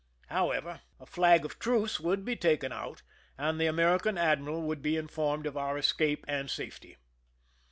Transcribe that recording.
However, a flag of truce would be taken out, and the American admiral would be in formed of our escape and safety.